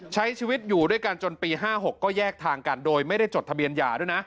ใช้ชีวิตอยู่ด้วยกันจนปี๕๖ก็แยกทางกันโดยไม่ได้จดทะเบียนหย่าด้วยนะ